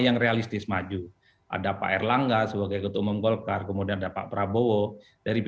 yang realistis maju ada pak erlangga sebagai ketua umum golkar kemudian ada pak prabowo dari